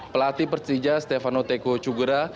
pelatih persija stefano teco cugura